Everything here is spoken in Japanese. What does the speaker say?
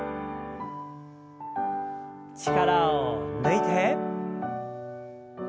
力を抜いて。